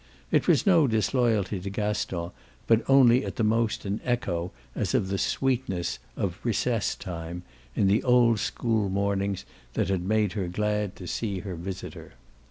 It was no disloyalty to Gaston, but only at the most an echo as of the sweetness of "recess time" in old school mornings that made her glad to see her visitor.